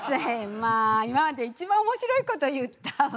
まあ今までで一番面白いこと言ったわ。